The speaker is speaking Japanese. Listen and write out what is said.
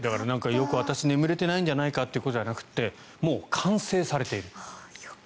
よく私眠れてないんじゃないかということじゃなくてもう完成されているんです。